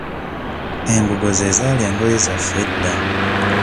Embugo ze zaali engoye zaffe edda.